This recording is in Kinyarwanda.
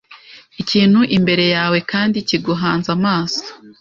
Ikintu imbere yawe kandi kiguhanze amaso